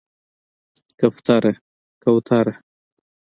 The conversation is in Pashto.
🕊 کفتره